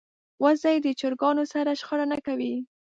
وزې د چرګانو سره شخړه نه کوي